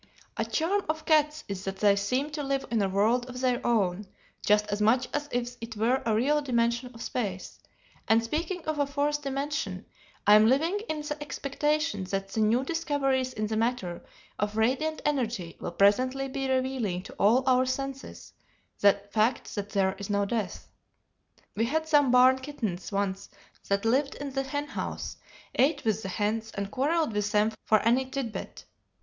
"A charm of cats is that they seem to live in a world of their own, just as much as if it were a real dimension of space; and speaking of a fourth dimension, I am living in the expectation that the new discoveries in the matter of radiant energy will presently be revealing to all our senses the fact that there is no death. "We had some barn kittens once that lived in the hen house, ate with the hens, and quarrelled with them for any tidbit.